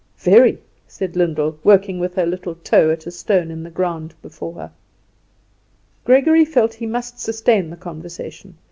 "Very," said Lyndall, working with her little toe at a stone in the ground before her. Gregory felt he must sustain the conversation.